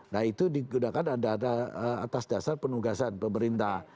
ya itu digunakan ada atas dasar penugasan pemerintah